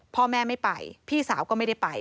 พ่อแม่ไม่ไปพี่สาวก็ไม่ได้ไป